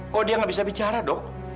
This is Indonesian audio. kok dia gak bisa bicara dong